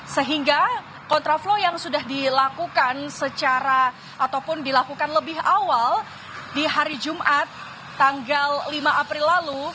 sehingga kontraflow yang sudah dilakukan secara ataupun dilakukan lebih awal di hari jumat tanggal lima april lalu